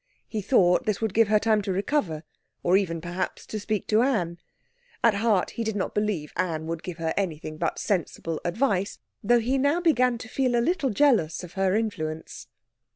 He thought this would give her time to recover, or even perhaps to speak to Anne. At heart he did not believe Anne would give her any but sensible advice, though he now began to feel a little jealous of her influence.